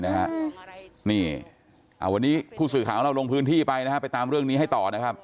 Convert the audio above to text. วันนี้ผู้สื่อข่าวของเราลงพื้นที่ไปนะฮะไปตามเรื่องนี้ให้ต่อนะครับ